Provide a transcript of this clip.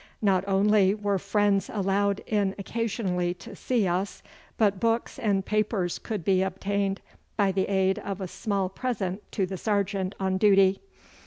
Not only were friends allowed in occasionally to see us, but books and papers could be obtained by the aid of a small present to the sergeant on duty.